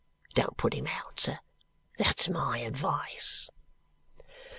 Don't put him out, sir. That's my advice!"